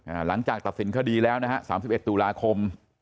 หลังจากตัดสินคดีแล้วนะฮะสามสิบเอ็ดตุลาคม